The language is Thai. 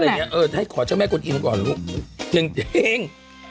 อะไรอย่างเนี่ยเออขอเชื่อแม่คุณอิ่มก่อน